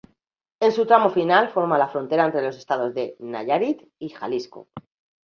En su tramo final forma la frontera entre los estados de Nayarit y Jalisco.